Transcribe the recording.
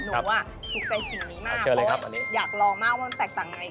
ขอบคุณใจสิ่งนี้มากนะเพราะว่าอยากลองมากมันแตกต่างไง